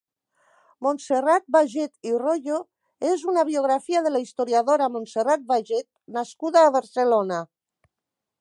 Montserrat Bajet i Royo és una biografia de la historiadora Montserrat Bajet nascuda a Barcelona.